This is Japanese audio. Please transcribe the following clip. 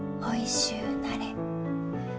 おいしゅうなれ。